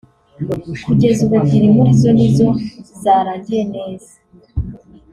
kugeza ubu ebyiri muri zo ni zo zarangiye neza